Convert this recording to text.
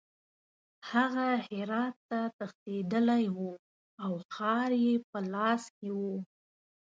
هغه هرات ته تښتېدلی وو او ښار یې په لاس کې وو.